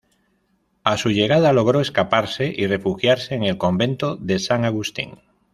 A su llegada logró escaparse y refugiarse en el convento de San Agustín.